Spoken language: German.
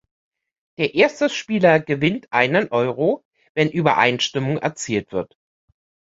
Der erste Spieler gewinnt einen Euro, wenn Übereinstimmung erzielt wird.